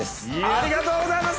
ありがとうございます